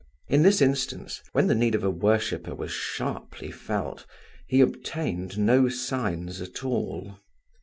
In this instance, when the need of a worshipper was sharply felt, he obtained no signs at all.